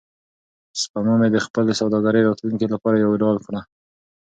سپما مې د خپل سوداګریز راتلونکي لپاره یوه ډال کړه.